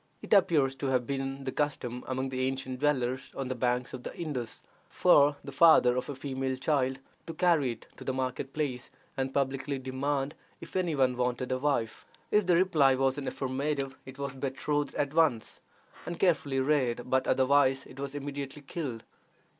It appears to have been the custom among the ancient dwellers on the banks of the Indus for the father of a female child to carry it to the market place, and publicly demand if any one wanted a wife. If the reply was in the affirmative, it was betrothed at once, and carefully reared, but otherwise it was immediately killed.